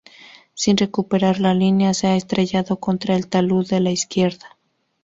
Sin recuperar la línea, se ha estrellado contra el talud de la izquierda.